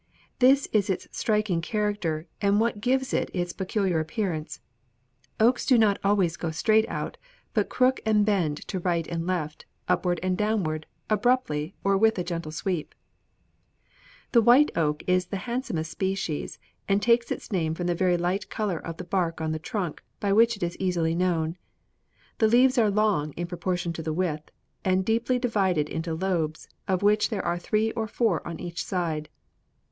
This is its striking character and what gives it its peculiar appearance. Oaks do not always go straight out, but crook and bend to right and left, upward and downward, abruptly or with a gentle sweep. [Illustration: MALE CATKIN OF THE OAK.] [Illustration: THE OAK] "The white oak is the handsomest species, and takes its name from the very light color of the bark on the trunk, by which it is easily known. The leaves are long in proportion to the width and deeply divided into lobes, of which there are three or four on each side.